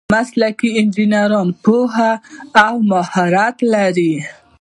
مسلکي انجینر پوهه او مهارت لري.